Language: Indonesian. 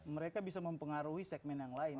mereka bisa mempengaruhi segmen yang lain